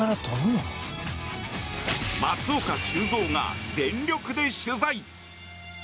松岡修造が全力で取材！